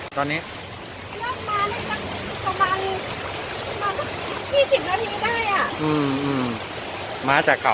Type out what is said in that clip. ตอนนี้มาไม่จักประมาณประมาณสัก๒๐นาทีได้อ่ะอืมอืมมาจากเขา